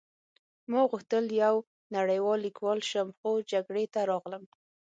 ما غوښتل یو نړۍوال لیکوال شم خو جګړې ته راغلم